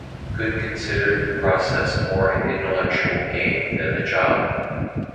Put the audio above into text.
Good considered the process more an intellectual game than a job.